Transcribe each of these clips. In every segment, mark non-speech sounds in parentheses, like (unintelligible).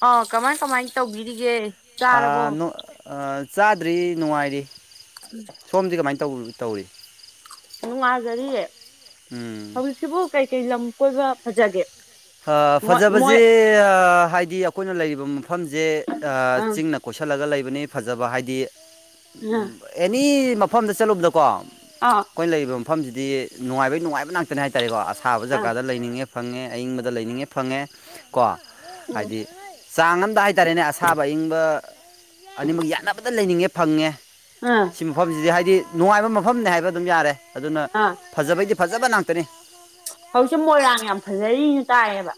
ꯑ ꯀꯃꯥꯏ ꯀꯃꯥꯏ ꯇꯧꯕꯤꯔꯤꯒꯦ ꯆꯥꯔꯕꯣ ꯑꯥ ꯑꯥ ꯆꯥꯗ꯭ꯔꯤ ꯅꯨꯡꯉꯥꯏꯔꯤ ꯎꯝ ꯁꯣꯝꯗꯤ ꯀꯃꯥꯏꯅ ꯇꯧ ꯇꯧꯔꯤ ꯌꯥꯝ ꯅꯨꯡꯉꯥꯏꯖꯔꯤꯌꯦ ꯎꯝ ꯍꯧꯖꯤꯛꯁꯤꯕꯨ ꯀꯩꯀꯩ ꯂꯝ ꯀꯣꯏꯕ ꯐꯖꯒꯦ ꯃꯣꯏ ꯃꯣꯏ ꯐꯖꯕꯁꯦ ꯍꯥꯏꯗꯤ ꯑꯩꯈꯣꯏꯅ ꯂꯩꯔꯤꯕ ꯃꯐꯝꯁꯦ ꯑꯥ ꯆꯤꯡꯅ ꯀꯣꯏꯁꯜꯂꯒ ꯂꯩꯕꯅꯦ ꯐꯖꯕ ꯍꯥꯏꯗꯤ ꯑꯦꯅꯤ ꯃꯐꯝꯗ ꯆꯠꯂꯨꯕꯗꯀꯣ ꯑꯥ ꯑꯩꯈꯣꯏꯅ ꯂꯩꯔꯤꯕ ꯃꯐꯝꯁꯤꯗꯤ ꯅꯨꯡꯉꯥꯏꯕꯩ ꯅꯨꯡꯉꯥꯏꯕ ꯉꯥꯛꯇꯅꯦ ꯍꯥꯏꯇꯥꯔꯦꯀꯣ ꯑꯁꯥꯕ ꯑꯥ ꯖꯒꯥꯗ ꯂꯩꯅꯤꯡꯉꯦ ꯐꯪꯉꯦ ꯑꯥꯏꯪꯕꯗ ꯗꯥ ꯂꯩꯅꯤꯡꯉꯦ ꯐꯪꯉꯦ ꯀꯣ ꯎꯝ ꯍꯥꯏꯗꯤ ꯆꯥꯡ ꯑꯝꯗꯥ ꯍꯥꯏꯇꯥꯔꯦꯅꯦ ꯑꯁꯥꯕ ꯑꯏꯪꯕ ꯑꯅꯤꯃꯛ ꯌꯥꯟꯅꯥꯕꯗ ꯂꯩꯅꯤꯡꯉꯦ ꯐꯪꯉꯦ ꯑꯥ ꯁꯤ ꯃꯐꯝꯁꯤꯗꯤ ꯍꯥꯏꯗꯤ ꯅꯨꯡꯉꯥꯏꯕ ꯃꯐꯝꯅꯦ ꯍꯥꯏꯕ ꯑꯗꯨꯝ ꯌꯥꯔꯦ ꯑꯗꯨꯅ ꯑꯥ ꯐꯖꯕꯩꯗꯤ ꯐꯖꯕ ꯅꯥꯛꯇꯅꯦ ꯐꯧꯁꯦ ꯃꯣꯏꯔꯥꯡ ꯌꯥꯝ ꯐꯖꯔꯤꯅ ꯇꯥꯏꯌꯦꯕ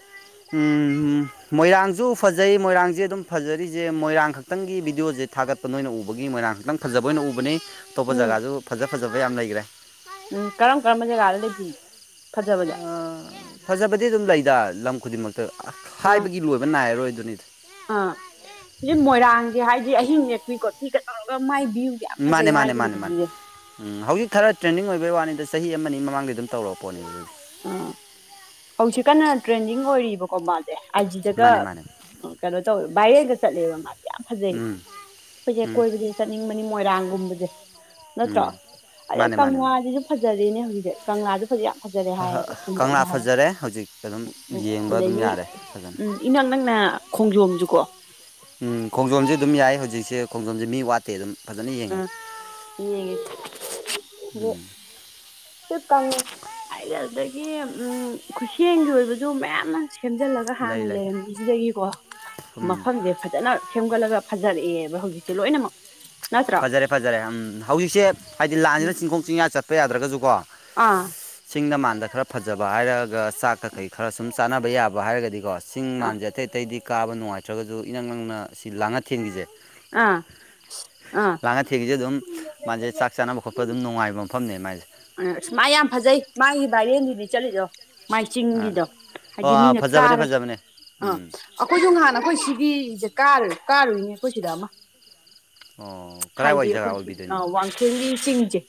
ꯎꯝ ꯎꯝ ꯃꯣꯏꯔꯥꯡꯁꯨ ꯐꯖꯩ ꯃꯣꯏꯔꯥꯡꯁꯦ ꯑꯗꯨꯝ ꯐꯖꯔꯤꯁꯦ ꯃꯣꯏꯔꯥꯡ ꯈꯛꯇꯪꯒꯤ ꯕꯤꯗꯤꯑꯣꯁꯦ ꯊꯥꯒꯠ ꯑꯣ ꯅꯣꯏꯅ ꯎꯕꯒꯤ ꯃꯣꯏꯔꯥꯡꯈꯛꯇꯪ ꯐꯖꯕ ꯑꯣꯏꯅ ꯎꯕꯅꯤ ꯑꯇꯣꯞꯄ ꯎꯝ ꯖꯒꯥꯁꯨ ꯐꯖ ꯐꯖꯕ ꯌꯥꯝ ꯂꯩꯈ꯭ꯔꯦ ꯎꯝ ꯀꯔꯝ ꯀꯔꯝꯕ ꯖꯒꯥꯗ ꯂꯩꯕꯤꯒꯦ ꯐꯖꯕꯁꯦ ꯑꯥ, ꯐꯖꯕꯗꯤ ꯑꯗꯨꯝ ꯂꯩꯗ ꯂꯝ ꯈꯨꯗꯤꯡꯃꯛꯇ ꯑꯥ ꯍꯥꯏꯕꯒꯤ ꯂꯣꯏꯕ ꯅꯥꯏꯔꯣꯏ ꯑꯗꯨꯅꯤꯗ ꯑꯥ ꯍꯧꯖꯤꯛ ꯃꯣꯏꯔꯥꯡꯁꯦ ꯍꯥꯏꯗꯤ ꯑꯍꯤꯡ ꯌꯦꯦꯛꯄꯤ ꯈꯣꯠꯄꯤꯒ ꯇꯧꯔꯒ ꯃꯥꯏ ꯃꯤꯨ ꯌꯥꯝ ꯃꯥꯅꯦ ꯐꯖꯩ ꯃꯥꯅꯦ ꯃꯥꯅꯦ ꯃꯥꯅꯦ ꯍꯥꯏꯕꯅꯤꯗꯣꯖꯤꯗꯤ ꯎꯝ ꯍꯧꯖꯤꯛ ꯈꯔ ꯇ꯭ꯔꯦꯟꯅꯤꯡꯡ ꯑꯣꯏꯕꯒꯤ ꯋꯥꯅꯤꯗ ꯆꯍꯤ ꯑꯃꯅꯤ ꯃꯃꯥꯡꯒꯤꯗꯤ ꯑꯗꯨꯝ ꯇꯧꯔꯛꯄꯣꯅꯦꯕ ꯑꯗꯨꯗꯤ ꯑꯥ ꯍꯧꯖꯤꯛ ꯀꯟꯅ ꯇ꯭ꯔꯦꯟꯗꯤꯡ ꯑꯣꯏꯔꯤꯕꯀꯣ ꯃꯥꯁꯦ ꯑꯥꯏꯖꯤꯗꯒ ꯃꯥꯅꯦ ꯃꯥꯅꯦ ꯀꯩꯅꯣ ꯇꯧꯋꯦꯕ ꯕꯥꯏꯔꯦꯜꯗ ꯆꯠꯂꯦꯕ ꯃꯥꯁꯦ ꯌꯥꯝ ꯐꯖꯩ ꯎꯝ ꯑꯩꯈꯣꯏꯁꯦ ꯎꯝ ꯀꯣꯏꯕꯁꯩ ꯆꯠꯅꯤꯡꯕꯅꯤ ꯃꯣꯏꯔꯥꯡꯒꯨꯝꯕꯁꯦ ꯅꯠꯇ꯭ꯔꯣ ꯎꯝ ꯑꯗꯩ ꯃꯥꯅꯦ ꯃꯥꯅꯦ ꯃꯥꯅꯦ ꯀꯪꯂꯥꯁꯤꯁꯨ ꯐꯖꯔꯦꯅꯦ (unintelligible) ꯀꯪꯂꯥꯗ (unintelligible) ꯌꯥꯝ (unintelligible) ꯗꯨꯅꯦ ꯍꯥꯏꯌꯦꯕ ꯁꯦꯝꯒꯠꯂꯦ ꯀꯪꯂꯥ ꯍꯥꯏꯌꯦ ꯐꯖꯔꯦ ꯍꯧꯖꯤꯛ ꯑꯗꯨꯝ ꯎꯝ ꯌꯦꯡꯕ ꯑꯗꯨꯝ ꯑꯗꯒꯤ ꯌꯥꯔꯦ ꯐꯖꯅ ꯎꯝ ꯏꯅꯛ ꯅꯛꯅꯥ ꯈꯣꯡꯖꯣꯝꯁꯨꯀꯣ ꯎꯝ ꯈꯣꯡꯖꯣꯝꯁꯦ ꯑꯗꯨꯝ ꯌꯥꯏ ꯍꯧꯖꯤꯛꯁꯦ ꯈꯣꯡꯖꯣꯝꯁꯦ ꯃꯤ ꯋꯥꯠ ꯇꯦ ꯑꯗꯨꯝ ꯐꯖꯅ ꯌꯦꯡꯉꯦ ꯑꯥ ꯌꯦꯡꯉꯦ ꯎꯝ (unintelligible) ꯍꯥꯏꯗꯤ ꯑꯗꯨꯗꯒꯤ ꯎꯝ ꯈꯨꯠꯁꯦꯝꯒꯤ ꯑꯣꯏꯕꯁꯨ ꯃꯌꯥꯝ ꯑꯃ ꯁꯦꯝꯖꯤꯜꯂꯥ ꯈ ꯂꯩ ꯍꯥꯟꯅ ꯂꯩ ꯂꯩꯔꯝꯃꯤꯁꯤꯗꯒꯤꯀꯣ ꯎꯝ ꯃꯐꯝꯁꯦ ꯐꯖꯅ ꯁꯦꯝꯒꯠꯂꯒ ꯐꯖꯔꯛꯑꯦꯕ ꯍꯧꯖꯤꯛꯇꯤ ꯂꯣꯏꯅꯃꯛ ꯅꯠꯇ꯭ꯔꯣ ꯐꯖꯔꯦ ꯐꯖꯔꯦ ꯎꯝ ꯍꯧꯖꯤꯛꯁꯦ ꯍꯥꯏꯗꯤ ꯂꯥꯟꯁꯤꯅ ꯆꯤꯡꯈꯣꯡ ꯆꯤꯡꯌꯥ ꯆꯠꯄ ꯌꯥꯗ꯭ꯔꯒꯁꯨꯀꯣ ꯑꯥ ꯆꯤꯡꯗ ꯃꯥꯟꯗ ꯈꯔ ꯐꯖꯕ ꯍꯥꯏꯔꯒ ꯆꯥꯛ ꯀꯈꯩ ꯈꯔ ꯁꯨꯝ ꯆꯥꯅꯕ ꯌꯥꯕ ꯍꯥꯏꯔꯒꯗꯤꯀꯣ ꯆꯤꯡ ꯑꯥ ꯃꯥꯟꯁꯦ ꯑꯇꯩ ꯑꯇꯩꯗꯤ ꯀꯥꯕ ꯅꯨꯡꯉꯥꯏꯇ꯭ꯔꯒꯁꯨ ꯏꯅꯪ ꯅꯪꯅ ꯁꯤ ꯂꯥꯡꯉ ꯊꯦꯟꯈꯤꯁꯦ ꯑꯥ ꯑꯥ ꯂꯥꯡꯒ ꯊꯦꯡꯁꯦ ꯑꯗꯨꯝ ꯃꯥꯁꯦ ꯆꯥꯛ ꯆꯥꯅꯕ ꯈꯣꯠꯄ ꯑꯗꯨꯝ ꯅꯨꯡꯉꯥꯏꯕ ꯃꯐꯝꯅꯦ ꯃꯥꯏꯁꯦ ꯑꯁ ꯃꯥ ꯌꯥꯝ ꯐꯖꯩ ꯃꯥꯒꯤ ꯚꯥꯏꯔꯦꯟꯗꯨꯗꯤ ꯆꯠꯂꯤꯗꯣ ꯑꯥ ꯃꯥꯏꯆꯤꯡꯒꯤꯗꯣ ꯑꯣ ꯍꯥꯏꯗꯤ ꯃꯤꯅ ꯐꯖꯕꯅꯦ ꯀꯥꯔꯒ ꯐꯖꯕꯅꯦ ꯑꯥ ꯎꯝ ꯑꯩꯈꯣꯏꯁꯨ ꯅꯍꯥꯟ ꯑꯩꯈꯣꯏ ꯁꯤꯒꯤꯁꯦ ꯀꯥꯔ ꯀꯥꯔꯨꯏꯅꯦ ꯑꯩꯈꯣꯏ ꯁꯤꯗ ꯑꯃ ꯑꯣ ꯍꯥꯏꯗꯤ ꯀꯗꯥꯏꯋꯥꯏ ꯖꯒꯥ ꯑꯩꯈꯣꯏ ꯑꯣꯏꯕꯤꯗꯣꯏꯅꯣ ꯋꯥꯡꯈꯦꯝꯒꯤ ꯆꯤꯡꯁꯦ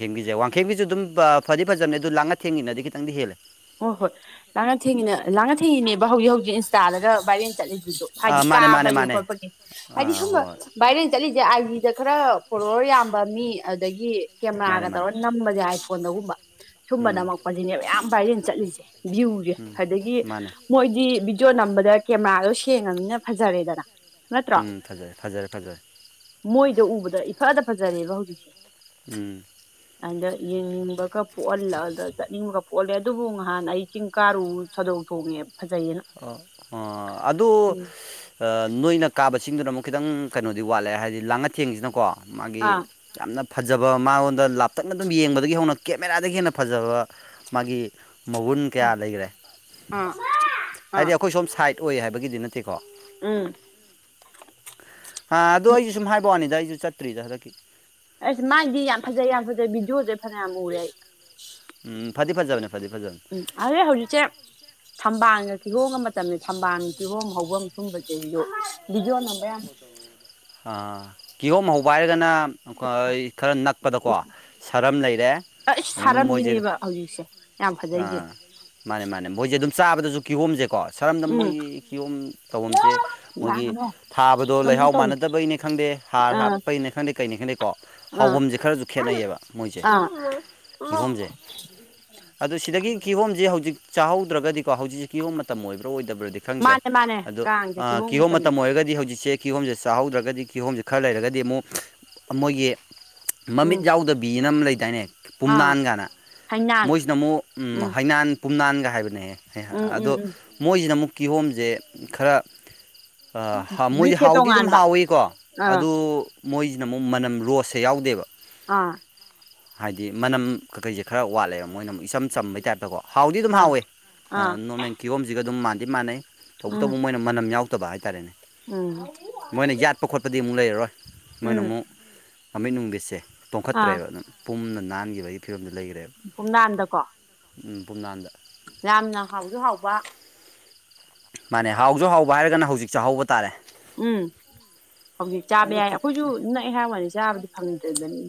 ꯋꯥꯡꯈꯦꯡꯕꯤꯁꯦ ꯋꯥꯡꯈꯦꯝꯕꯤꯁꯨ ꯑꯗꯨꯝ ꯐꯗꯤ ꯐꯖꯕꯅꯦ ꯑꯗꯨ ꯂꯥꯛꯅ ꯊꯦꯡꯉꯅꯗꯤ ꯈꯤꯇꯪꯗꯤ ꯍꯦꯜꯂꯦ ꯍꯣꯏ ꯍꯣꯏ ꯂꯥꯡꯅ ꯊꯦꯡꯉꯤꯅꯦ ꯂꯥꯡꯅ ꯊꯦꯡꯉꯤꯅꯦꯕ ꯍꯧꯖꯤꯛ ꯍꯧꯖꯤꯛ ꯏꯟꯁꯇꯥꯗꯒ ꯚꯥꯏꯔꯦꯜ ꯆꯠꯂꯤꯁꯦ ꯑꯥ ꯍꯥꯏꯗꯤ ꯃꯥꯅꯦ ꯃꯥꯅꯦ ꯀꯥꯕꯒꯤ ꯃꯥꯅꯦ ꯈꯣꯠꯄꯒꯤ ꯍꯥꯏꯗꯤ ꯑꯥ ꯁꯨꯝꯕ ꯍꯣꯏ ꯚꯥꯏꯔꯦꯟ ꯆꯠꯂꯤꯁꯦ ꯑꯥꯏ ꯗ ꯈꯔ ꯐꯣꯂꯣꯔ ꯌꯥꯝꯕ ꯃꯤ ꯑꯗꯨꯗꯒꯤ ꯃꯥꯅꯦ ꯀꯦꯃꯦꯔꯥꯒ ꯃꯥꯅꯦ ꯇꯧꯔꯅꯤ ꯅꯝꯕꯁꯦ ꯑꯥꯏꯐꯣꯟꯗꯒꯨꯝꯕ ꯁꯨꯝꯕ ꯎꯝ ꯅꯝꯃꯛꯄꯁꯤꯅꯦꯕ ꯌꯥꯝꯌꯥꯝ ꯚꯥꯏꯁꯤ ꯆꯠꯂꯤꯁꯦ ꯚ꯭ꯌꯨꯁꯦ ꯑꯗꯒꯤ ꯃꯥꯅꯦ ꯃꯣꯏꯗꯤ ꯚꯤꯗꯤꯑꯣ ꯅꯝꯕꯗ ꯀꯦꯃꯦꯔꯥꯗꯣ ꯁꯦꯡꯉꯅꯤꯅ ꯐꯖꯔꯦꯗꯅ ꯅꯠꯇ꯭ꯔꯣ ꯎꯝ ꯐꯖꯔꯦ ꯐꯖꯔꯦ ꯐꯖꯔꯦ ꯃꯣꯏꯗ ꯎꯕꯗ ꯏꯐꯗ ꯐꯖꯔꯦꯕ ꯍꯧꯖꯤꯛꯁꯦ ꯎꯝ ꯑꯗ ꯌꯦꯡꯅꯤꯡꯕꯒ ꯄꯣꯛꯍꯜꯂ ꯆꯠꯅꯤꯡꯕꯒ ꯄꯣꯛꯍꯜꯂꯦ ꯑꯗꯨꯕꯨ ꯉꯍꯥꯟ ꯑꯩ ꯆꯤꯡ ꯀꯥꯔꯨ ꯁꯥꯗꯧ ꯊꯣꯡꯉꯦꯕ ꯑꯣ ꯑꯗꯨ ꯎꯝ ꯅꯣꯏꯅ ꯀꯥꯕꯁꯤꯡꯗꯨꯅ ꯑꯃꯨꯛ ꯈꯤꯇꯪ ꯀꯩꯅꯣꯗꯤ ꯋꯥꯠꯂꯦ ꯍꯥꯏꯗꯤ ꯂꯥꯡꯉꯊꯦꯡꯁꯤꯅꯀꯣ ꯃꯥꯒꯤ ꯑꯥ ꯌꯥꯝꯅ ꯐꯖꯕ ꯃꯉꯣꯟꯗ ꯂꯥꯞꯇꯛꯅ ꯑꯗꯨꯝ ꯌꯦꯡꯕꯗꯒꯤ ꯍꯧꯅ ꯀꯦꯃꯦꯔꯥꯗꯒꯤ ꯍꯦꯟꯅ ꯐꯖꯕ ꯃꯥꯒꯤ ꯃꯒꯨꯟ ꯀꯌꯥ ꯂꯩꯈ꯭ꯔꯦ ꯑ ꯍꯥꯏꯗꯤ ꯑꯩꯈꯣꯏ ꯁꯣꯝ ꯁꯥꯏꯠ ꯑꯣꯏ ꯍꯥꯏꯕꯒꯤꯗꯤ ꯅꯠꯇꯦꯀꯣ ꯎꯝ ꯍꯥ ꯑꯗꯣ ꯑꯩꯁꯨ ꯁꯨꯝ ꯍꯥꯏꯕꯛ ꯋꯥꯅꯤꯗ ꯑꯩꯁꯨ ꯆꯠꯇ꯭ꯔꯤꯗ ꯍꯟꯗꯛꯀꯤ ꯑꯁ ꯃꯥꯏꯗꯤ ꯌꯥꯝ ꯐꯖꯩ ꯌꯥꯝ ꯐꯖꯩ ꯚꯤꯗꯤꯑꯣꯁꯦ ꯐꯖꯅ ꯌꯥꯝ ꯎꯔꯦ ꯑꯩ ꯎꯝ ꯐꯥꯤꯐꯥꯖꯕꯅꯦ ꯐꯥꯇꯤꯐ ꯐꯥꯖꯕꯅꯦ ꯑ ꯍꯧꯖꯤꯛꯁꯦ ꯊꯝꯕꯥꯜꯒ ꯀꯤꯍꯣꯒ ꯃꯇꯝꯅꯤ ꯊꯝꯕꯥꯜ ꯀꯤꯍꯣꯝ ꯍꯧꯕ ꯁꯨꯝꯕꯕꯁꯤꯗꯣ ꯚꯤꯗꯤꯑꯣ ꯅꯝꯕ ꯌꯥ ꯀꯤꯍꯣꯝ ꯍꯧꯕ ꯍꯥꯏꯔꯒꯅ ꯈꯔ ꯅꯛꯄꯗꯀꯣ ꯁꯔꯝ ꯂꯩꯔꯦ ꯑꯩꯁ ꯑꯗꯨꯝ ꯃꯣꯏꯁꯦ ꯁꯥꯔꯝꯁꯤꯅꯦꯕ ꯍꯧꯖꯤꯛꯁꯦ ꯌꯥꯝ ꯐꯖꯩꯁꯦ ꯑꯥ ꯃꯥꯅꯦ ꯃꯥꯅꯦ ꯃꯣꯏꯁꯦ ꯑꯗꯨꯝ ꯆꯥꯕꯗꯁꯨ ꯀꯤꯍꯣꯝꯁꯦꯀꯣ ꯁꯔꯝꯗꯝ ꯎꯝ ꯃꯣꯏꯒꯤ ꯀꯤꯌꯣꯝ ꯇꯧꯐꯝꯁꯦ ꯃꯣꯏꯒꯤ ꯂꯥꯡꯒꯅꯣ ꯊꯥꯕꯗꯣ ꯑꯗꯨꯝ ꯂꯩꯍꯥꯎ ꯇꯧ ꯃꯥꯟꯅꯗꯕꯩꯅꯦ ꯈꯪꯗꯦ ꯍꯥꯔ ꯑꯥ ꯍꯥꯞꯄꯩꯅ ꯈꯪꯗꯦ ꯀꯩꯅ ꯈꯪꯗꯦꯀꯣ ꯍꯥꯎꯐꯝꯁꯦ ꯈꯔꯁꯨ ꯈꯦꯠꯅꯩꯌꯦꯕ ꯃꯣꯏꯁꯦ ꯀꯤꯍꯣꯝꯁꯦ ꯎ ꯑꯗꯣ ꯁꯤꯗꯒꯤ ꯀꯤꯍꯣꯝꯁꯦ ꯍꯧꯖꯤꯛ ꯆꯥꯍꯧꯗ꯭ꯔꯒꯗꯤꯀꯣ ꯍꯧꯖꯤꯛꯁꯦ ꯀꯤꯍꯣꯝ ꯃꯇꯝ ꯑꯣꯏꯕ꯭ꯔꯥ ꯑꯣꯏꯗꯕ꯭ꯔꯗꯤ ꯈꯪꯗ꯭ꯔꯦ ꯃꯥꯅꯦ ꯃꯥꯅꯦ ꯑꯗꯣ ꯀꯥꯡꯁꯦ ꯀꯤꯍꯣꯝ ꯃꯇꯝꯅꯤ ꯃꯇꯝ ꯑꯣꯏꯔꯒꯗꯤ ꯍꯧꯖꯤꯛꯁꯦ ꯀꯤꯍꯣꯝꯁꯦ ꯆꯥꯍꯧꯗ꯭ꯔꯒꯗꯤ ꯀꯤꯍꯣꯝꯁꯦ ꯈꯔ ꯂꯩꯔꯒꯗꯤ ꯑꯃꯨꯛ ꯃꯣꯏꯒꯤ ꯃꯃꯤꯠ ꯎꯝ ꯌꯥꯎꯗꯕꯤꯅ ꯑꯃ ꯂꯩꯗꯥꯏꯅꯦ ꯄꯨꯝꯅꯥꯟ ꯀꯥꯟꯅ ꯍꯩꯅꯥꯥꯡ ꯅ ꯑꯃꯨꯛ ꯍꯩꯅꯥꯟ ꯄꯨꯝꯅꯥꯟꯒ ꯍꯥꯏꯕꯅꯦꯍ ꯎꯝ ꯎꯝ ꯑꯗꯣ ꯎꯝ ꯃꯣꯏꯁꯤꯅ ꯑꯃꯨꯛ ꯀꯤꯍꯣꯝꯁꯦ ꯈꯔ ꯃꯣꯏꯗꯤ ꯕ꯭ꯔꯤꯠꯁꯦ ꯍꯥꯎꯗꯤ ꯑꯗꯨꯝ ꯇꯣꯉꯥꯟꯕ ꯍꯥꯎꯋꯀꯣ ꯑꯥ ꯑꯗꯨ ꯃꯣꯏꯁꯤꯅ ꯑꯃꯨꯛ ꯃꯅꯝ ꯔꯣꯁꯁꯦ ꯌꯥꯎꯗꯦꯕ ꯑꯥ ꯍꯥꯏꯗꯤ ꯃꯅꯝ ꯀꯀꯩꯁꯦ ꯈꯔ ꯋꯥꯠꯂꯦꯕ ꯃꯣꯏꯅ ꯑꯃꯨꯛ ꯏꯆꯝ ꯆꯝꯕꯩ ꯇꯥꯏꯞꯇꯀꯣ ꯍꯥꯎꯗꯤ ꯑꯗꯨꯝ ꯑꯥ ꯍꯥꯎꯋꯦ ꯑꯥ ꯅꯣꯔꯃꯦꯜ ꯀꯤꯍꯣꯝꯁꯤꯒ ꯑꯗꯨꯝ ꯃꯥꯟꯗꯤ ꯃꯥꯟꯅꯩ ꯇꯧꯕ ꯎꯝ ꯇꯧꯕ ꯃꯣꯏꯅ ꯃꯅꯝ ꯌꯥꯎꯗꯕ ꯍꯥꯏꯇꯥꯔꯦꯅꯦ ꯎꯝ ꯃꯣꯏꯅ ꯌꯥꯠꯄ ꯈꯣꯠꯄꯗꯤ ꯑꯃꯨꯛ ꯂꯩꯔꯔꯣꯏ ꯃꯣꯏꯅ ꯎꯝ ꯑꯃꯨꯛ ꯑꯃꯤꯠ ꯅꯨꯡꯕꯤꯠꯁꯦ ꯑꯥ ꯇꯣꯡꯈꯠꯇ꯭ꯔꯦꯕ ꯑꯗꯨꯝ ꯄꯨꯝꯅ ꯅꯥꯟꯈꯤꯕꯒꯤ ꯐꯤꯕꯝꯗꯨ ꯂꯩꯈ꯭ꯔꯦꯕ ꯄꯨꯝꯅꯥꯟꯗꯀꯣ ꯄꯨꯝꯅꯥꯟꯗ ꯌꯥꯝꯅ ꯍꯥꯎꯁꯨ ꯍꯥꯎꯕ ꯃꯥꯅꯦ ꯍꯥꯎꯁꯨ ꯍꯥꯎꯕ ꯍꯥꯏꯔꯒꯅ ꯍꯧꯖꯤꯛ ꯆ ꯍꯧꯕ ꯇꯥꯔꯦ ꯎꯝ ꯍꯧꯖꯤꯛ ꯆꯥꯕ ꯑꯗꯨ ꯌꯥꯏ ꯑꯩꯈꯣꯏꯁꯨ ꯅꯛꯑꯦ ꯍꯥꯏꯋꯥꯗꯤ ꯆꯥꯕꯗꯤ ꯐꯪꯗ꯭ꯔꯤꯕꯅꯤ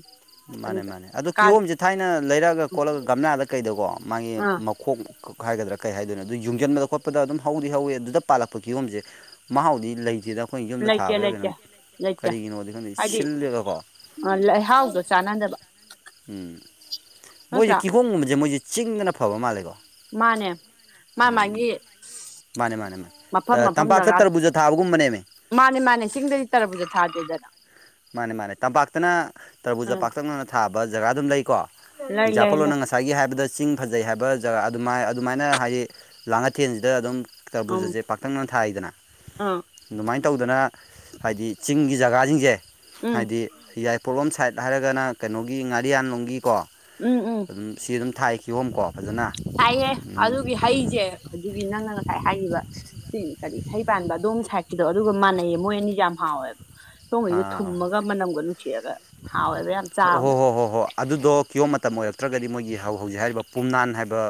ꯃꯥꯅꯦ ꯑꯗꯨꯗ ꯃꯥꯅꯦ ꯑꯗꯨ ꯀꯥꯟ ꯀꯤꯍꯣꯝꯁꯦ ꯊꯥꯏꯅ ꯂꯩꯔꯛꯑꯒ ꯈꯣꯠꯂꯒ ꯒꯝꯂꯥꯗ ꯀꯩꯗꯧꯕꯣ ꯃꯥꯒꯤ ꯑꯥ ꯈꯣꯡ ꯍꯥꯏꯒꯗ꯭ꯔꯥ ꯀꯩ ꯍꯥꯏꯗꯣꯏꯅꯣ ꯑꯗꯨ ꯌꯨꯡꯁꯤꯟꯕꯗ ꯈꯣꯠꯄꯗ ꯑꯗꯨꯝ ꯍꯧꯗꯤ ꯍꯧꯋꯏ ꯑꯗꯨ ꯄꯥꯜꯂꯛꯄ ꯀꯤꯌꯣꯝꯁꯦ ꯃꯍꯥꯎꯗꯤ ꯂꯩꯇꯗꯅ ꯑꯩꯈꯣꯏꯅ ꯌꯨꯝꯗ ꯂꯩꯇꯦ ꯊꯥꯕꯩꯈꯣꯏꯩꯅꯣ ꯂꯩꯇꯦ ꯀꯔꯤꯒꯤꯅꯣꯗꯤ ꯑꯩꯈꯣꯏ ꯁꯤꯜꯂꯦꯕꯀꯣ ꯑ ꯂꯩꯍꯥꯎꯗꯣ ꯆꯅꯥꯗꯕ ꯎꯝ ꯃꯣꯏꯁꯦ ꯀꯤꯍꯣꯝꯒꯨꯝꯕꯁꯦ ꯃꯣꯏꯁꯦ ꯆꯤꯡꯗꯅ ꯐꯕ ꯃꯥꯜꯂꯦꯀꯣ ꯃꯥꯟꯅꯦ ꯃꯥ ꯃꯥꯒꯤ ꯃꯥꯅꯦ ꯃꯥꯅꯦ ꯃꯥꯅꯦ ꯃꯐꯝ ꯃꯐꯝ ꯇꯝꯄꯥꯛꯇ ꯖꯒꯥꯒꯤ ꯇꯔꯕꯨꯖ ꯊꯥꯕꯒꯨꯝꯕꯅꯦꯃꯤ ꯃꯥꯅꯦ ꯃꯥꯅꯦ ꯆꯁꯤꯡꯗꯗꯤ ꯇꯥꯔꯛꯄꯨꯖꯥ ꯊꯥꯗꯦꯗꯅ ꯃꯥꯅꯦ ꯃꯥꯅꯦ ꯇꯝꯄꯥꯛꯇꯅ ꯎꯝ ꯇꯔꯕꯨꯖꯄꯥꯛꯇꯛꯅꯅ ꯊꯥꯕ ꯖꯒꯥ ꯑꯗꯨꯝ ꯂꯩꯀꯣ ꯂꯩ ꯂꯩ ꯑꯦꯛꯖꯥꯝꯄꯜꯂꯣ ꯂꯩ ꯅꯪ ꯉꯁꯥꯏ ꯉꯁꯥꯏꯒꯤ ꯍꯥꯏꯕꯗ ꯆꯤꯡ ꯐꯖꯩ ꯍꯥꯏꯕ ꯖꯒꯥ ꯑꯗꯨꯃꯥꯏ ꯑꯗꯨꯃꯥꯏꯅ ꯍꯥꯏꯑꯦ ꯂꯥꯡꯑꯊꯦꯟꯁꯤꯗ ꯑꯗꯨꯝ ꯎꯝ ꯀꯕꯨꯖꯁꯦ ꯄꯥꯛꯇꯛꯅꯅ ꯊꯥꯏꯗꯅ ꯑꯥ ꯑꯗꯨꯃꯥꯏꯅ ꯇꯧꯗꯅ ꯍꯥꯏꯗꯤ ꯆꯤꯡꯒꯤ ꯖꯒꯥꯁꯤꯡꯁꯦ ꯎꯝ ꯍꯥꯏꯗꯤ ꯌꯥꯏꯐꯂꯣꯝ ꯁꯥꯏꯠ ꯍꯥꯏꯔꯒꯅ ꯀꯩꯅꯣꯒꯤ ꯉꯥꯔꯤꯌꯥꯟꯂꯣꯝꯒꯤꯀꯣ ꯎꯝ ꯎꯝ ꯑꯗꯨꯝ ꯁꯤ ꯑꯗꯨꯝ ꯊꯥꯏꯈꯤꯌꯣꯝꯀꯣ ꯐꯖꯅ ꯍꯥꯏꯌꯦ ꯑꯗꯨꯝ ꯑꯗꯨꯒꯤ ꯍꯩꯁꯦ ꯑꯗꯨꯒꯤ ꯅꯪꯅ ꯉꯁꯥꯏ ꯍꯥꯏꯈꯤꯕ ꯁꯤ ꯀꯔꯤ ꯍꯩ ꯄꯥꯟꯕ ꯑꯗꯣꯝ ꯁꯥꯏꯠꯀꯤꯗꯣ ꯑꯗꯨꯒ ꯃꯥꯟꯅꯩꯌꯦ ꯃꯣꯏ ꯑꯅꯤꯗꯤ ꯌꯥꯝ ꯍꯥꯎꯋꯦꯕ ꯁꯣꯝꯉꯩꯗ ꯍꯣꯏ ꯊꯨꯝꯃꯒ ꯃꯅꯝꯒ ꯅꯨꯡꯁꯤꯑꯒ ꯍꯥꯎꯋꯦꯕ ꯌꯥꯝ ꯍꯣꯏ ꯆꯥꯕꯗ ꯍꯣꯏ ꯍꯣꯏ ꯍꯣꯏ ꯑꯗꯨꯗꯣ ꯀ꯭ꯌꯣꯝ ꯃꯇꯝ ꯑꯣꯏꯔꯛꯇ꯭ꯔꯒꯗꯤ ꯃꯣꯏꯒꯤ ꯍꯧ ꯍꯧꯖꯤꯛ ꯍꯥꯏꯔꯤꯕ ꯄꯨꯝꯅꯥꯟ ꯍꯥꯏꯕ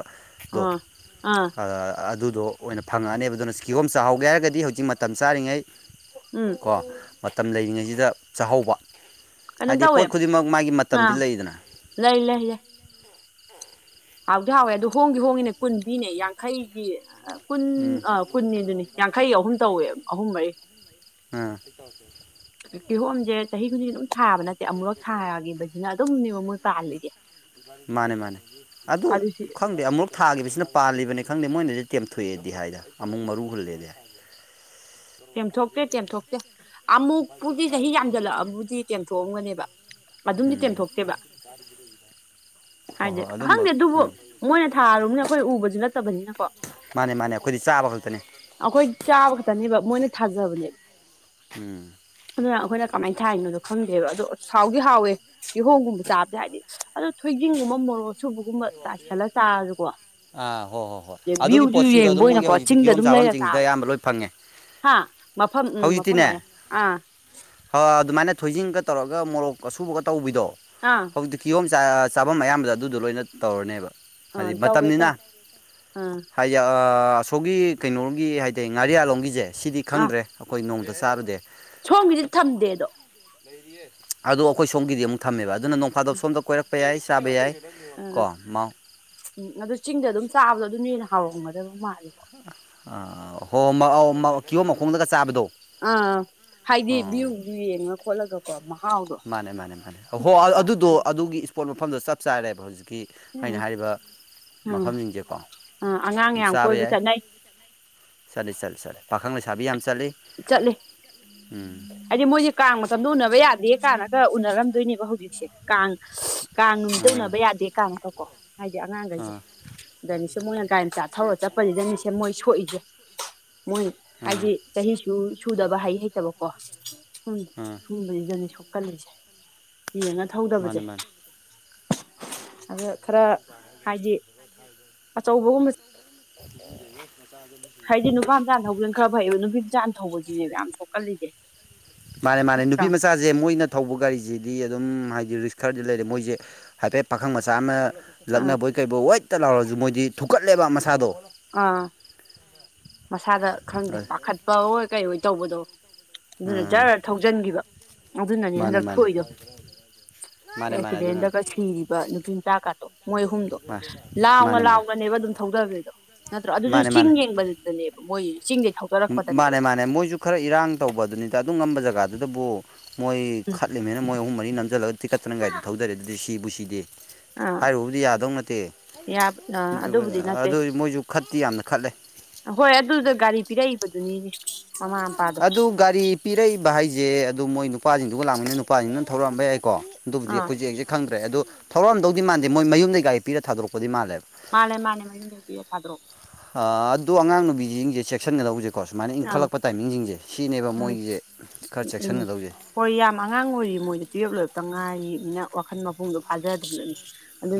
ꯗꯣ ꯑꯥ ꯑꯗꯨꯗꯣ ꯑꯣꯏꯅ ꯐꯪꯉꯛꯑꯅꯦꯕ ꯑꯗꯨꯅ ꯀꯤꯍꯣꯝ ꯆꯥꯍꯧꯒꯦ ꯍꯥꯏꯔꯒꯗꯤ ꯍꯧꯖꯤꯛ ꯃꯇꯝ ꯆꯥꯔꯤꯉꯩ ꯎꯝ ꯑꯣ ꯃꯇꯝ ꯂꯩꯔꯤꯉꯩꯖꯤꯗ ꯆꯥꯍꯧꯕ ꯀꯩꯅꯣ ꯍꯥꯏꯗꯤ ꯇꯧꯋꯦ ꯄꯣꯠ ꯈꯨꯗꯤꯡꯃꯛ ꯃꯥꯒꯤ ꯃꯇꯝꯗꯤ ꯑꯥ ꯂꯩꯗꯅ ꯂꯩ ꯂꯩ ꯂꯩ ꯍꯥꯎꯗꯤ ꯍꯥꯎꯋꯦ ꯑꯗꯨ ꯍꯣꯡꯗꯤ ꯍꯣꯡꯉꯤꯅꯦ ꯀꯨꯟ ꯄꯤꯅꯦ ꯌꯥꯡꯈꯩꯒꯤ ꯀꯨꯟ ꯎꯝ ꯑ ꯀꯨꯟꯅꯦꯗꯨꯅꯤ ꯌꯥꯡꯈꯩꯒꯤ ꯑꯍꯨꯝ ꯇꯧꯋꯦ ꯑꯍꯨꯝ ꯃꯔꯤ ꯑꯝ ꯀꯤꯍꯣꯝꯁꯦ ꯆꯍꯤ ꯈꯨꯗꯤꯡꯒꯤ ꯑꯗꯨꯝ ꯊꯥꯕ ꯅꯠꯇꯦ ꯑꯃꯨꯛꯂꯛ ꯊꯥꯈꯤꯕꯁꯤꯅ ꯑꯗꯨꯝꯅꯦꯕ ꯃꯣꯏ ꯄꯥꯜꯂꯤꯁꯦ ꯃꯥꯅꯦ ꯃꯥꯅꯦ ꯑꯗꯨ ꯑꯗꯨꯁꯨ ꯈꯪꯗꯦ ꯑꯃꯨꯛ ꯊꯥꯈꯤꯕꯁꯤꯅ ꯄꯥꯜꯂꯤꯕꯅꯦ ꯈꯪꯗꯦ ꯃꯣꯏꯅꯗꯤ ꯇꯦꯝꯊꯣꯛꯑꯦꯗꯤ ꯍꯥꯏꯗ ꯑꯃꯨꯛ ꯃꯔꯨ ꯍꯨꯜꯂꯦꯗꯤ ꯍꯥꯏ ꯆꯦꯝꯊꯣꯛꯇꯦ ꯇꯦꯝꯊꯣꯛꯇꯦ ꯑꯃꯨꯛꯄꯨꯗꯤ ꯆꯍꯤ ꯌꯥꯝꯖꯜꯂꯛꯑꯕꯨꯗꯤ ꯇꯦꯝꯊꯣꯛꯑꯝꯒꯅꯦꯕ ꯑꯗꯨꯝꯗꯤ ꯎꯝ ꯇꯦꯝꯊꯣꯛꯇꯦꯕ ꯍꯣꯏ ꯍꯥꯏꯗꯤ ꯍꯣꯏ ꯑꯗꯨꯝꯕ ꯈꯪꯗꯦ ꯑꯗꯨꯕꯨ ꯎꯝ ꯃꯣꯏꯅ ꯊꯥꯔꯨꯕꯅꯤꯅ ꯑꯩꯈꯣꯏ ꯎꯕꯁꯨ ꯅꯠꯇꯕꯅꯤꯅꯀꯣ ꯃꯥꯅꯦ ꯃꯥꯅꯦ ꯑꯩꯈꯣꯏꯗꯤ ꯆꯥꯕ ꯈꯛꯇꯅꯦ ꯑꯩꯈꯣꯏ ꯆꯥꯕ ꯈꯛꯇꯅꯦꯕ ꯃꯣꯏꯅ ꯊꯥꯖꯕꯅꯦꯕ ꯎꯝ ꯑꯗꯨꯅ ꯑꯩꯈꯣꯏꯅ ꯀꯃꯥꯏ ꯊꯥꯏꯅꯣꯗꯣ ꯈꯪꯗꯦꯕ ꯑꯗꯣ ꯑꯁ ꯍꯥꯎꯗꯤ ꯍꯥꯎꯋꯦ ꯀꯤꯍꯣꯝꯒꯨꯝꯕ ꯆꯥꯕꯖꯦ ꯍꯥꯏꯗꯤ ꯑꯗꯣ ꯊꯣꯏꯗꯤꯡꯒꯨꯝꯕ ꯃꯣꯔꯣꯛ ꯑꯁꯨꯕꯒꯨꯝꯕ ꯆꯥꯏꯁꯤꯜꯂ ꯆꯥꯔꯁꯨꯀꯣ ꯑꯥ ꯍꯣ ꯍꯣ ꯍꯣꯏ ꯑꯗꯩ ꯑꯗꯨꯒꯤ ꯚ꯭ꯌꯨꯁꯨ ꯄꯣꯠꯁꯤꯡꯗꯣ ꯌꯦꯡꯕ ꯑꯗꯨꯝ ꯃꯣꯏꯒꯤ ꯑꯣꯏꯅꯀꯣ ꯍꯧꯖꯤꯛꯇꯤ ꯆꯤꯡꯗ ꯀꯤꯍꯣꯝ ꯑꯗꯨꯝ ꯂꯩꯔ ꯆꯥꯕꯝꯖꯤꯡꯖꯤꯗ ꯆꯥꯕ ꯑꯌꯥꯝꯕ ꯂꯣꯏ ꯐꯪꯉꯦ ꯍꯥ ꯃꯐꯝ ꯎꯝ ꯃꯐꯝ ꯍꯧꯖꯤꯛꯇꯤꯅꯦ ꯑꯌꯥ ꯑꯥ ꯍꯣ ꯑꯗꯨꯃꯥꯏꯅ ꯊꯣꯏꯗꯤꯡꯒ ꯇꯧꯔꯒ ꯃꯣꯔꯣꯛ ꯑꯁꯨꯕꯒ ꯇꯧꯕꯤꯗꯣ ꯑꯥ ꯀꯤꯍꯣꯝ ꯆꯥ ꯆꯥꯕꯝ ꯑꯌꯥꯝꯕꯗ ꯑꯗꯨꯗꯣ ꯂꯣꯏꯅ ꯇꯧꯔꯅꯦꯕ ꯑꯥ ꯍꯥꯏꯗꯤ ꯇꯧꯋꯦ ꯇꯧꯋꯦ ꯃꯇꯝꯅꯤꯅ ꯑꯥ ꯍꯥꯏꯗꯤ ꯑ ꯑꯁꯣꯝꯒꯤ ꯀꯩꯅꯣꯒꯤ ꯍꯥꯏꯗꯥꯏ ꯉꯥꯔꯤꯌꯥꯟꯂꯣꯝꯒꯤꯖꯦ ꯁꯤꯗꯤ ꯑꯥ ꯈꯪꯗ꯭ꯔꯦ ꯑꯩꯈꯣꯏ ꯅꯣꯡꯇ ꯆꯥꯔꯨꯗꯦ ꯁꯣꯝꯒꯤꯗꯤ ꯊꯝꯗꯦꯗꯣ ꯑꯗꯣ ꯑꯩꯈꯣꯏ ꯁꯣꯝꯒꯤꯗꯤ ꯑꯃꯨꯛ ꯊꯝꯃꯦꯕ ꯑꯗꯨꯅ ꯅꯣꯡꯐꯥꯗꯣꯛ ꯁꯣꯝꯗ ꯀꯣꯏꯔꯛꯄ ꯌꯥꯏ ꯆꯥꯕ ꯌꯥꯏ ꯀꯣ ꯎꯝ ꯃꯥꯎ ꯎꯝ ꯑꯗꯨ ꯆꯤꯡꯗ ꯑꯗꯨꯝ ꯆꯥꯕꯗꯣ ꯑꯗꯨꯅ ꯍꯦꯟꯅ ꯍꯥꯎꯔꯝꯒꯗꯕ ꯃꯥꯜꯂꯦ (unintelligible) ꯑ ꯍꯣꯝ ꯑꯧ ꯃ ꯀꯤꯍꯣꯝ ꯃꯈꯣꯡꯗꯒ ꯆꯥꯕꯗꯣ ꯑꯥ ꯍꯥꯏꯗꯤ ꯑꯣ ꯚ꯭ꯌꯨ ꯌꯦꯡꯉ ꯈꯣꯠꯂꯒꯀꯣ ꯃ ꯃꯥꯅꯦ ꯃꯥꯅꯦ ꯃꯥꯅꯦ ꯍꯣ ꯑꯗꯨꯗꯣ ꯑꯗꯨꯒꯤ ꯏꯁꯄꯣꯠ ꯃꯐꯝꯗꯣ ꯆꯞ ꯆꯥꯔꯦꯕ ꯍꯧꯖꯤꯛ ꯀꯤ ꯑꯩꯅ ꯎꯝ ꯍꯥꯏꯔꯤꯕ ꯃꯐꯝꯖꯤꯡꯖꯦꯀꯣ ꯑ ꯑꯉꯥꯡ ꯌꯥꯝ ꯀꯣꯏꯕ ꯆꯠꯅꯩ ꯆꯠꯂꯤ ꯆꯠꯂꯤ ꯆꯠꯂꯤ ꯄꯥꯈꯪ ꯂꯩꯁꯥꯕꯤ ꯌꯥꯝ ꯆꯠꯂꯤ ꯆꯠꯂꯤ ꯎꯝ ꯍꯥꯏꯗꯤ ꯃꯣꯏꯖꯦ ꯀꯥꯡ ꯃꯇꯝꯗꯣ ꯎꯅꯕ ꯌꯥꯗꯦ ꯀꯥꯅꯒ ꯎꯅꯔꯝꯗꯣꯏꯅꯦꯕ ꯍꯧꯖꯤꯛꯁꯦ ꯀꯥꯡ ꯁꯁ ꯀꯥꯡ ꯅꯨꯃꯤꯠꯇ ꯑꯥ ꯎꯅꯕ ꯌꯥꯗꯦ ꯀꯥꯅꯒ ꯀꯣ ꯍꯥꯏꯗꯤ ꯑꯉꯥꯡꯒꯩꯖꯦ ꯑꯥ ꯗꯅꯤꯁꯦ ꯃꯣꯏꯅ ꯒꯥꯔꯤꯝꯆꯥ ꯊꯧꯔ ꯆꯠꯄꯖꯤꯗꯅꯤꯁꯦ ꯃꯣꯏ ꯁꯣꯛꯏꯖꯦ ꯃꯣꯏ ꯑꯥ ꯍꯥꯏꯗꯤ ꯆꯍꯤ ꯁꯨ ꯁꯨꯗꯕ ꯍꯩ ꯍꯩꯇꯕꯀꯣ ꯨꯎꯝ ꯑꯥ ꯁꯨꯝꯕꯖꯤꯗꯅꯦ ꯁꯣꯛꯀꯜꯂꯤꯖꯦ ꯌꯦꯡꯉ ꯊꯧꯗꯕꯖꯦ ꯃꯥꯅꯦ ꯃꯥꯅꯦ ꯑꯗ ꯈꯔ ꯍꯥꯏꯗꯤ ꯑꯆꯧꯕꯒꯨꯝꯕꯁꯦ (inaudible) ꯍꯥꯏꯗꯤ ꯅꯨꯄꯥꯝꯆꯥꯅ ꯊꯧꯕꯖꯤꯅ ꯈꯔ ꯐꯩꯕ ꯅꯨꯄꯤꯃꯆꯥꯥꯅ ꯊꯧꯕꯖꯤꯅꯦꯕ ꯌꯥꯝ ꯁꯣꯛꯀꯜꯂꯤꯖꯦ ꯃꯥꯅꯦ ꯃꯥꯅꯦ ꯅꯨꯄꯤ ꯃꯆꯥ ꯖꯦ ꯃꯣꯏꯅ ꯊꯧꯕ ꯒꯥꯔꯤꯖꯤꯗꯤ ꯑꯗꯨꯝ ꯍꯥꯏꯗꯤ ꯔꯤꯛꯁ ꯈꯔꯗꯤ ꯂꯩꯔꯦ ꯃꯣꯏꯖꯦ ꯍꯥꯏꯐꯦꯠ ꯄꯥꯈꯪ ꯃꯆꯥ ꯑꯃ ꯑꯥ ꯂꯛꯅꯕꯣꯏ ꯀꯩꯕꯣꯏ ꯋꯣꯏꯠꯇ ꯂꯥꯎꯔꯖꯨ ꯃꯣꯏꯗꯤ ꯊꯨꯛꯀꯠꯂꯦꯕ ꯃꯁꯥꯗꯣ ꯑꯥ ꯃꯁꯥꯗ ꯈꯪꯗꯦ ꯄꯥꯈꯠꯄ ꯑꯣꯏ ꯀꯩ ꯑꯣꯏ ꯇꯧꯕꯗꯣ ꯑꯗꯨꯅ ꯑꯥ ꯖꯔ ꯊꯧꯖꯤꯟꯒꯤꯕ ꯑꯗꯨꯅꯅꯦ ꯃꯥꯅꯦ ꯍꯟꯗꯛ ꯃꯥꯅꯦ ꯊꯣꯛꯏꯗꯣ (inaudible) ꯑꯗꯨꯅꯅꯦ ꯑꯦꯛꯁꯤꯗꯦꯟꯗꯒ ꯁꯤꯔꯤꯕ ꯅꯨꯄꯤ ꯃꯆꯥ ꯀꯥꯠꯇꯣ ꯃꯣꯏ ꯑꯍꯨꯝꯗꯣ ꯃꯥꯅꯦ ꯂꯥꯎꯅ ꯃꯥꯅꯦ ꯂꯥꯎꯅꯅꯦꯕ ꯑꯗꯨꯝ ꯊꯧꯗꯈꯔꯤꯗꯣ ꯅꯠꯇ꯭ꯔꯣ ꯑꯗꯨꯁꯨ ꯃꯥꯅꯦ ꯆꯤꯡ ꯃꯥꯅꯦ ꯌꯦꯡꯕꯗꯨꯗꯅꯦꯕ ꯃꯣꯏ ꯆꯤꯡꯗꯤ ꯊ ꯃꯥꯅꯦ ꯃꯥꯅꯦ ꯃꯣꯏꯁꯨ ꯈꯔ ꯏꯔꯥꯡ ꯇꯧꯕ ꯑꯗꯨꯅꯤꯗ ꯑꯗꯨꯝ ꯉꯝꯕ ꯖꯒꯥꯗꯨꯗꯕꯨ ꯃꯣꯏ ꯎꯝ ꯈꯠꯂꯤꯅꯤꯅ ꯃꯣꯏ ꯑꯍꯨꯝ ꯃꯔꯤ ꯅꯝꯁꯤꯜꯂꯒ ꯇꯤꯀꯠꯇꯅ ꯒꯥꯔꯤꯗ ꯊꯧꯖꯔꯦ ꯑꯗꯨꯗꯤ ꯁꯤꯕꯨ ꯁꯤꯗꯦ ꯑꯥ ꯍꯥꯏꯔꯨꯕꯨꯗꯤ ꯌꯥꯗꯧ ꯅꯠꯇꯦ ꯌꯥꯕ ꯑꯥ ꯑꯗꯨꯕꯨꯗꯤ ꯅꯠꯇꯦ ꯑꯗꯣ ꯃꯣꯏꯖꯨ ꯈꯠꯇꯤ ꯌꯥꯝꯅ ꯈꯠꯂꯦ ꯍꯣꯏ ꯑꯗꯨꯗ ꯒꯥꯔꯤ ꯄꯤꯔꯛꯏꯕꯗꯨꯅꯤꯅꯦ ꯃꯃꯥ ꯃꯄꯥꯗꯣ ꯑꯗꯨ ꯒꯥꯔꯤ ꯄꯤꯔꯛꯏꯕ ꯍꯥꯏꯖꯦ ꯑꯗꯨꯝ ꯃꯣꯏ ꯅꯨꯄꯥꯖꯤꯡꯗꯨꯒ ꯂꯥꯛꯃꯤꯟꯅꯩ ꯅꯨꯄꯥꯖꯤꯡꯗꯨꯅ ꯊꯧꯔꯛꯑꯝꯕ ꯌꯥꯏꯀꯣ ꯑꯗꯨꯕꯨꯗꯤ ꯑꯥ ꯑꯩꯈꯣꯏꯖꯦ ꯑꯦꯛꯖꯦꯛ ꯈꯪꯗ꯭ꯔꯦ ꯑꯗꯣ ꯊꯧꯔꯛꯑꯝꯗꯧꯗꯤ ꯃꯥꯟꯗꯦ ꯃꯣꯏ ꯃꯌꯨꯝꯗꯩꯩ ꯒꯥꯔꯤ ꯄꯤꯔ ꯊꯥꯗꯣꯔꯛꯄꯗꯤ ꯃꯥꯜꯂꯦꯕ ꯃꯥꯅꯦ ꯃꯥꯅꯦ ꯃꯌꯨꯝꯗ ꯄꯌꯥ ꯊꯥꯗ꯭ꯔꯣ ꯑꯗꯨꯗꯣ ꯑꯉꯥꯡ ꯅꯨꯕꯤꯁꯤꯡꯁꯦ ꯆꯦꯛꯁꯤꯟꯒꯗꯧꯕꯖ ꯀꯣ ꯁꯨꯃꯥꯏꯅ ꯑꯥ ꯏꯟꯈꯠꯂꯛꯄ ꯇꯥꯏꯃꯤꯡꯁꯤꯡꯁꯦ ꯁꯤꯅꯦꯕ ꯎꯝ ꯃꯣꯏꯒꯤꯁꯦ ꯈꯔ ꯎꯝ ꯆꯦꯛꯁꯤꯟꯒꯗꯧꯁꯦ ꯍꯣꯏ ꯌꯥꯝ ꯑꯉꯥꯡ ꯑꯣꯏꯔꯤ ꯃꯣꯏꯗ ꯇꯨꯌꯦꯞ ꯂꯣꯏꯇ ꯉꯥꯏꯔꯤꯅꯤꯅ ꯋꯥꯈꯜ ꯃꯄꯨꯡꯗꯣ ꯐꯥꯖꯗꯕꯅꯤ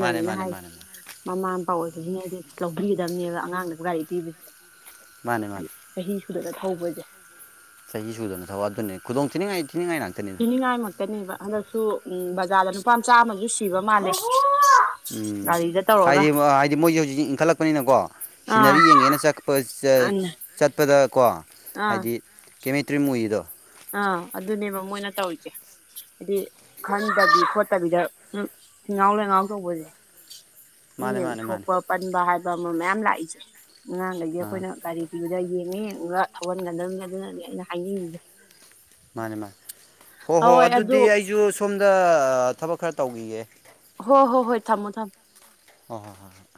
ꯃꯥꯅꯦ ꯃꯥꯅꯦ ꯃꯥꯅꯦ ꯍꯥꯏꯔꯤꯁꯦ ꯃꯥꯅꯦ ꯃꯃꯥ ꯃꯄꯥ ꯑꯣꯏꯕꯁꯤꯅ ꯑꯩꯗꯤ ꯂꯧꯕꯤꯒꯗꯕꯅꯦꯕ ꯑꯉꯥꯡꯗ ꯒꯥꯥꯏꯔꯤꯛ ꯄꯤꯕ ꯃꯥꯅꯦ ꯃꯥꯅꯦ ꯆꯍꯤ ꯁꯨꯗꯅ ꯊꯧꯕꯁꯦ ꯆꯍꯤ ꯏꯁꯨꯗꯅ ꯊꯧꯕꯛ ꯑꯗꯨꯅꯤ ꯈꯨꯗꯣꯡ ꯊꯤꯅꯤꯡꯉꯥꯏ ꯊꯤꯅꯤꯡꯉꯥꯏ ꯉꯥꯛꯇꯅꯤ ꯄꯤꯅꯤꯡꯉꯥꯏꯃꯛꯇꯅꯦꯕ ꯍꯟꯗꯛꯁꯨ ꯕꯖꯥꯔꯗ ꯅꯨꯄꯥ ꯃꯆꯥ ꯑꯃꯁꯨ ꯁꯤꯕ ꯃꯥꯜꯂꯦ ꯎꯝ ꯒꯥꯔꯤꯗ ꯇꯧꯔꯒ ꯍꯥꯏꯗꯤ ꯍꯥꯏꯗꯤ ꯃꯣꯏꯁꯨ ꯍꯧꯖꯤꯛ ꯏꯟꯈꯠꯂꯛꯄꯅꯤꯅꯀꯣ ꯑꯥ ꯁꯤꯅꯔꯤ ꯌꯦꯡꯒꯦꯅ (unintelligible) ꯆꯠꯄꯗꯀꯣ ꯑꯥ ꯍꯥꯏꯗꯤ ꯀꯦꯃꯦꯇ꯭ꯔꯤꯝ ꯎꯏꯔꯤꯗꯣ ꯑꯥ ꯑꯗꯨꯅꯦꯕ ꯃꯣꯏꯅ ꯇꯧꯔꯤꯁꯦ ꯍꯥꯏꯗꯤ ꯈꯟꯗꯕꯤ ꯈꯣꯠꯇꯕꯤꯗ (unintelligible) ꯉꯥꯎ ꯂꯩ ꯉꯥꯎ ꯇꯧꯕꯁꯦ ꯃꯥꯅꯦ ꯑꯗꯨꯅꯦꯕ ꯃꯥꯅꯦ ꯃꯥꯅꯦ ꯁꯣꯛꯄ ꯄꯟꯕ ꯍꯥꯏꯕ ꯑꯃ ꯃꯌꯥꯝ ꯂꯥꯛꯏꯁꯦ ꯑꯉꯥꯡꯗꯒꯤ ꯑꯥ ꯑꯩꯈꯣꯏꯅ ꯒꯥꯔꯤ ꯗꯨꯗ ꯌꯦꯡꯉꯦ ꯑꯗꯨꯒ ꯊꯧꯍꯟꯒꯗꯕꯅꯤ ꯑꯗꯨꯅꯗꯤ ꯑꯩꯅ ꯍꯥꯏꯅꯤꯡꯉꯤꯁꯦ ꯃꯥꯅꯦ ꯃꯥꯅꯦ ꯍꯣ ꯍꯣꯏ ꯑꯗꯨꯗꯤ ꯑꯩꯁꯨ ꯁꯣꯝꯗ ꯊꯕꯛ ꯈꯔ ꯇꯧꯈꯤꯒꯦ ꯍꯣ ꯍꯣ ꯍꯣꯏ ꯊꯝꯃꯣ ꯊꯝꯃ ꯍ ꯍꯣꯏ ꯍꯣꯏ